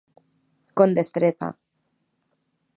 Con destreza.